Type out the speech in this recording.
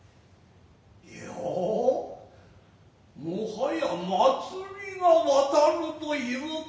やあもはや祭りが渡ると云ふか。